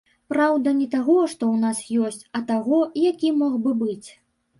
Праўда, не таго, што ў нас ёсць, а таго, які мог бы быць.